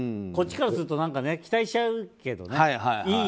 こっちからすると期待しちゃうけどね。